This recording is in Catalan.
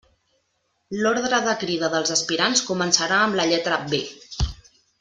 L'ordre de crida dels aspirants començarà amb la lletra B.